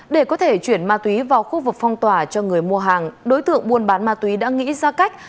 để có thể chuyển ma túy vào khu vực phong tỏa cho người mua hàng đối tượng buôn bán ma túy đã nghĩ ra cách